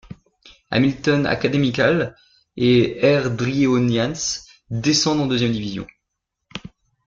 Hamilton Academical et Airdrieonians descendent en deuxième division.